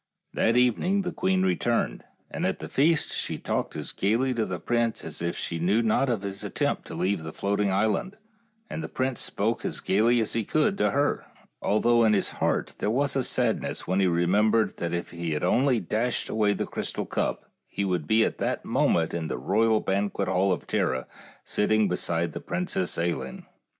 That evening the queen returned, and at the feast she talked as gaily to the prince as if she knew not of his attempt to leave the Floating Island, and the prince spoke as gaily as he could to her, although in his heart there was sadness when he remembered that if he had only dashed away the crystal cup, he would be at that mo ment in the royal banquet hall of Tara, sitting beside the Princess Ailinn.